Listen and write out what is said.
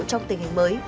trong tình hình mới